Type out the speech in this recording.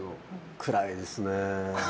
暗いですね。